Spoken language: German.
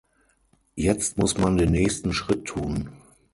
Jetzt muss man den nächsten Schritt tun.